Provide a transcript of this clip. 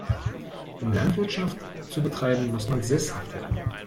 Um Landwirtschaft zu betreiben, muss man sesshaft werden.